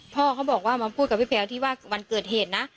พ่อเขาบอกว่ามาพูดกับพี่แพลวที่ว่าวันเกิดเหตุนะ